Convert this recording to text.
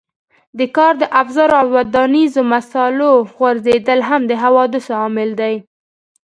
د کار د افزارو او ودانیزو مسالو غورځېدل هم د حوادثو عامل دی.